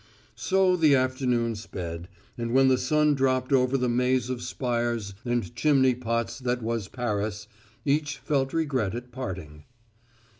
So the afternoon sped, and when the sun dropped over the maze of spires and chimney pots that was Paris, each felt regret at parting.